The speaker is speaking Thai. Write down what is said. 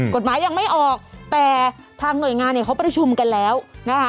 กฎหมายยังไม่ออกแต่ทางหน่วยงานเนี่ยเขาประชุมกันแล้วนะคะ